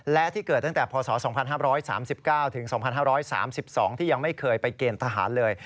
และที่เกิดตั้งแต่พศ๒๕๓๙ถึง๒๕๓๒ที่ยังไม่เคยไปเกณฑ์ทหารเลย